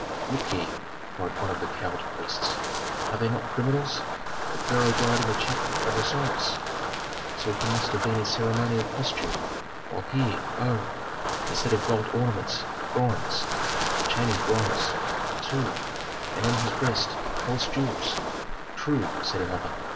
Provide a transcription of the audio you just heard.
"Look ye!" cried one of the cowled priests, "are they not criminals? The pharaoh died in the chapel of Osiris, so he must have been in ceremonial costume, while here oh! instead of gold ornaments bronze; the chain is bronze, too, and on his breast false jewels!" "True," said another.